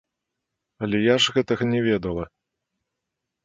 Але я ж гэтага не ведала.